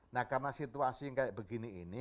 nah karena situasi yang kayak begini ini